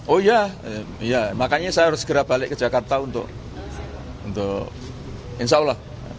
oh ya makanya saya harus segera balik ke jakarta untuk insya allah